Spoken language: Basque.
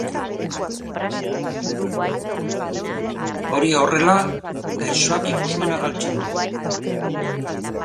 Hori horrela, gaixoak ikusmena galtzen du.